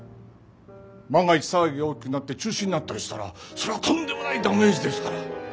万が一騒ぎが大きくなって中止になったりしたらそりゃとんでもないダメージですから。